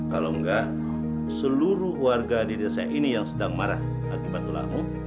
kalau enggak seluruh warga di desa ini yang sedang marah akibat tulang